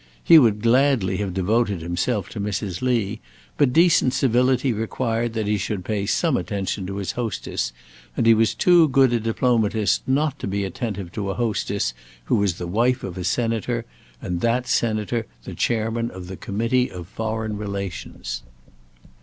He would gladly have devoted himself to Mrs. Lee, but decent civility required that he should pay some attention to his hostess, and he was too good a diplomatist not to be attentive to a hostess who was the wife of a Senator, and that Senator the chairman of the committee of foreign relations.